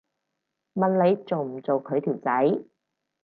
問你做唔做佢條仔